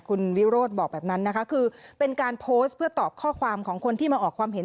คุณวิโรธบอกแบบนั้นนะคะคือเป็นการโพสต์เพื่อตอบข้อความของคนที่มาออกความเห็น